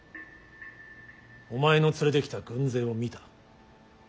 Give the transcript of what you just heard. お前の連れてきた軍勢を見た。